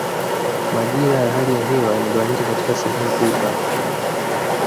Majira ya hali ya hewa yamegawanyika katika sehemu kuu tatu